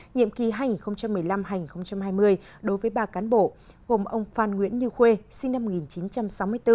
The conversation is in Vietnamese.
nhiệm kỳ hai nghìn một mươi năm hai nghìn hai mươi đối với ba cán bộ gồm ông phan nguyễn như khuê sinh năm một nghìn chín trăm sáu mươi bốn